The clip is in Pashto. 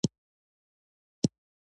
دې ولسوالۍ کې چې ګام به ګام ګرځېدلی،